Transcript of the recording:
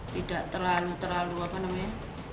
tidak terlalu terlalu apa namanya